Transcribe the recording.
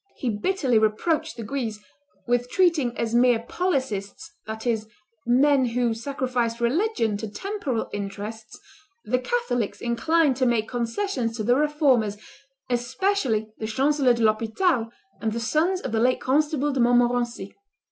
He bitterly reproached the Guises "with treating as mere policists, that is, men who sacrifice religion to temporal interests, the Catholics inclined to make concessions to the Reformers, especially the Chancellor de l'Hospital and the sons of the late Constable de Montmorency."